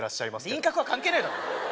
輪郭は関係ねえだろ